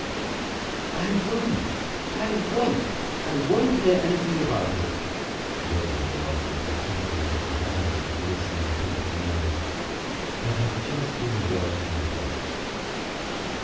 "I won't, I won't, I won't hear anything about it!" waving me off with her pretty little hand with glistening pink nails that had just been washed and polished.